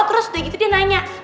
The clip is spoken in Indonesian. terus udah gitu dia nanya